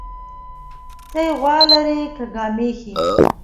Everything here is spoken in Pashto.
تى غوا لرى كه ګامېښې؟